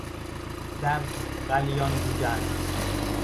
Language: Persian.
در غلیان بودن